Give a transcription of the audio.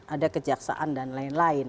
ada kejaksaan dan lain lain